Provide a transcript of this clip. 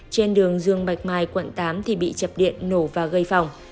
trên đường dương bạch mai quận tám thì bị chập điện nổ và gây phòng